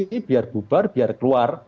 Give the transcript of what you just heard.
ini biar bubar biar keluar